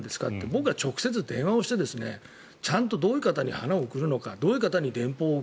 僕は直接電話してちゃんとどういう方に花を送るのかどういう方に電報を。